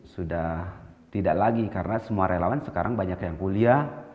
sudah tidak lagi karena semua relawan sekarang banyak yang kuliah